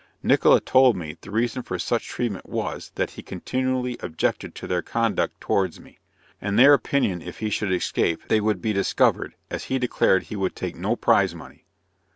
Nickola told me, the reason for such treatment was, that he continually objected to their conduct towards me, and their opinion if he should escape, they would be discovered, as he declared he would take no prize money.